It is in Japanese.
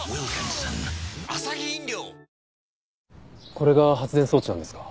これが発電装置なんですか？